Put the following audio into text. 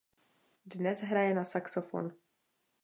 Dnes hraje na saxofon.